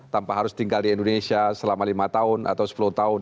tanpa harus tinggal di indonesia selama lima tahun atau sepuluh tahun